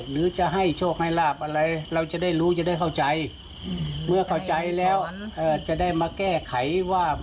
หรือเจ้าป่าเจ้าเขาที่อยู่บริเวณนี้ที่แสดงอภินิหารให้เห็น